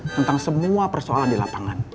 tentang semua persoalan di lapangan